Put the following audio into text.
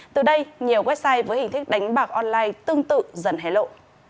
từ đây nhiều website với hình thức đánh bạc online tương tự dần hé lộ